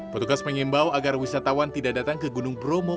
petugas mengimbau agar wisatawan tidak datang ke gunung bromo